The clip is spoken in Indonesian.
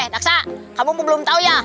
taksa kamu belum tahu ya